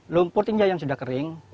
lumpur tinja yang sudah kering